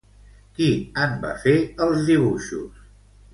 Qui en va fer els dibuixos?